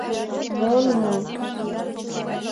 — Мо «ну»...